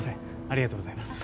ありがとうございます。